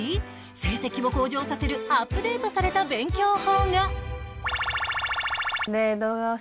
成績を向上させるアップデートされた勉強法が